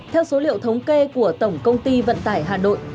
theo số liệu thống kê của tổng công ty vận tải hà nội